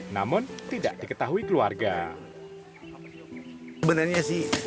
namun tidak diketahui keluarga